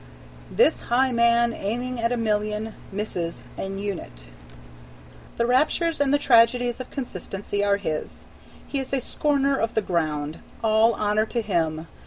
"This high man, aiming at a million, Misses an unit." The raptures and the tragedies of consistency are his. He is a scorner of the ground. All honor to him!